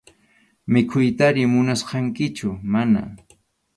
¿Mikhuytari munachkankichu?- Mana.